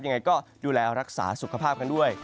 ยังไงก็ดูแลรักษาสุขภาพกันด้วย